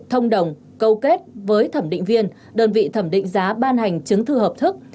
thông đồng câu kết với thẩm định viên đơn vị thẩm định giá ban hành chứng thư hợp thức